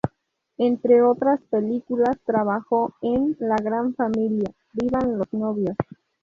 Entre otras películas, trabajó en "La gran familia", "¡Vivan los novios!